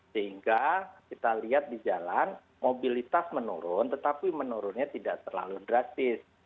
sehingga kita lihat di jalan mobilitas menurun tetapi menurunnya tidak terlalu drastis